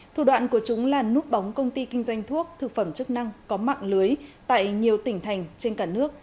thủ đoạn của chúng là núp bóng công ty kinh doanh thuốc thực phẩm chức năng có mạng lưới tại nhiều tỉnh thành trên cả nước